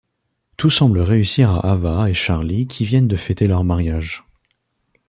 Tout semble réussir à Ava et Charlie qui viennent de fêter leur mariage.